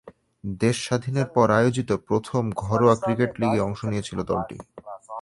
দেশ স্বাধীনের পর আয়োজিত প্রথম ঘরোয়া ক্রিকেট লিগে অংশ নিয়েছিল দলটি।